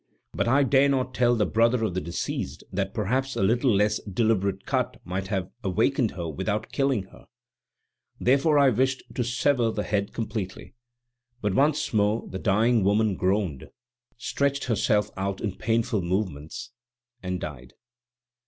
But I dare not tell the brother of the deceased that perhaps a little less deliberate cut might have awakened her without killing her; therefore I wished to sever the head completely; but once more the dying woman groaned, stretched herself out in painful movements, and died.